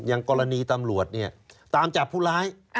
เมื่อกรณีตำรวจตามจับผู้ร้าย